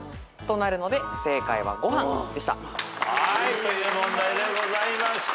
という問題でございました。